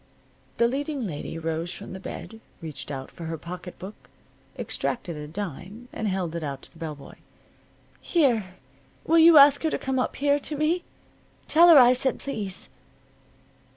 The leading lady rose from the bed, reached out for her pocket book, extracted a dime, and held it out to the bell boy. "Here. Will you ask her to come up here to me? Tell her I said please."